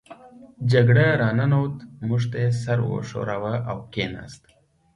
جګړن را ننوت، موږ ته یې سر و ښوراوه او کېناست.